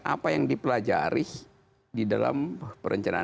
apa yang dipelajari di dalam perencanaan